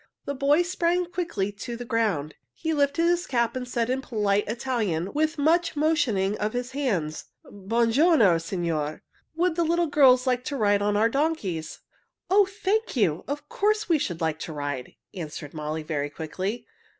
The boy sprang quickly to the ground. He lifted his cap and said in polite Italian, with much motioning of his hands, "Buon giorno, signore. Would the little girls like to ride on our donkeys?" "Oh, thank you! Of course we should like to ride," answered Molly very quickly.